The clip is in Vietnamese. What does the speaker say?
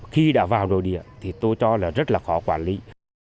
khi đã vào nội địa thì tôi cho là rất là khó quản lý